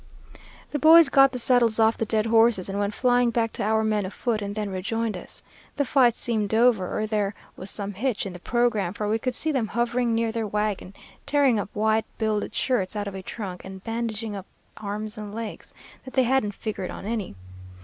"The boys got the saddles off the dead horses, and went flying back to our men afoot, and then rejoined us. The fight seemed over, or there was some hitch in the programme, for we could see them hovering near their wagon, tearing up white biled shirts out of a trunk and bandaging up arms and legs, that they hadn't figured on any.